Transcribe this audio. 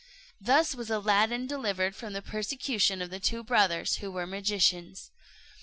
Thus was Aladdin delivered from the persecution of the two brothers, who were magicians.